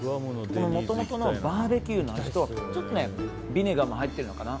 もともとのバーベキューの味とちょっとビネガーも入ってるのかな。